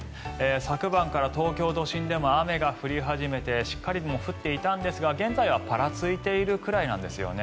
昨晩から東京都心でも雨が降り始めてしっかり降っていたんですが現在はパラついているくらいなんですよね。